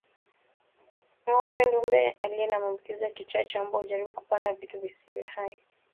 Ngombe dume aliye na maambukizi ya kichaa cha mbwa hujaribu kupanda vitu visivyo hai